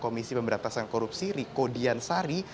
komisi pemberantasan korupsi riko diansari